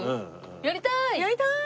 やりたい！